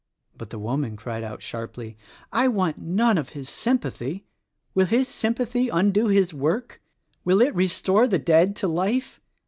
But the woman cried out sharply: "I want none of his sympathy! Will his sympathy undo his work? Will it restore the dead to life?